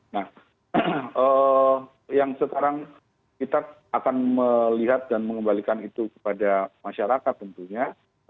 nah yang sekarang kita akan melihat dan mengembalikan itu kepada masyarakat tentunya